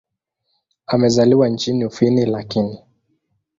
Amezaliwa nchini Ufini lakini.